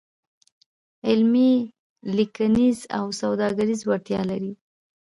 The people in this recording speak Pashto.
علمي، لیکنیز او سوداګریز وړتیا لري.